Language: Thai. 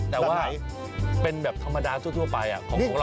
แต่ว่าเป็นแบบธรรมดาสุดทั่วไปของเราพี่เกม